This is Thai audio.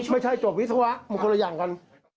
ไม่ใช่จบวิทยาวะมีคนละอย่างก่อน